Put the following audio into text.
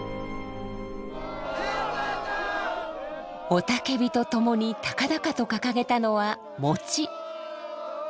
雄たけびとともに高々と掲げたのは餅。